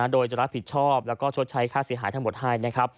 โดยจะรับผิดชอบและชดใช้ค่าเสียหายทั้งหมดให้